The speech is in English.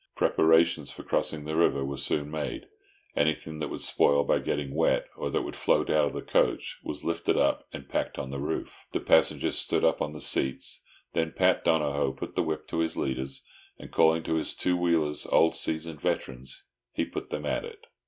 Preparations for crossing the river were soon made. Anything that would spoil by getting wet, or that would float out of the coach, was lifted up and packed on the roof. The passengers stood up on the seats. Then Pat Donohoe put the whip on his leaders, and calling to his two wheelers, old seasoned veterans, he put them at it.